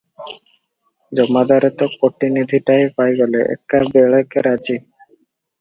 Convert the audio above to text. ଜମାଦାରେ ତ କୋଟିନିଧିଟାଏ ପାଇଗଲେ, ଏକା ବେଳକେ ରାଜି ।